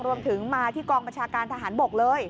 รวมถึงมาที่กองบัญชาการทหารบกเลย